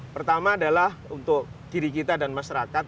pertama adalah untuk diri kita dan masyarakat